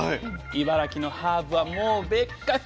茨城のハーブはもう別格！